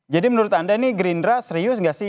jadi menurut anda ini gerindra serius nggak sih